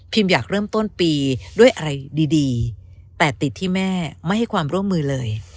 อยากเริ่มต้นปีด้วยอะไรดีแต่ติดที่แม่ไม่ให้ความร่วมมือเลย